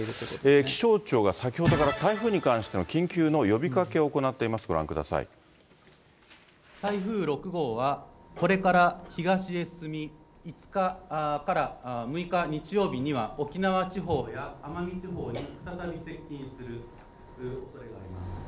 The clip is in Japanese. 気象庁が先ほどから台風に関しての緊急の呼びかけを行ってい台風６号はこれから東へ進み、５日から６日日曜日には、沖縄地方や奄美地方に再び接近するおそれがあります。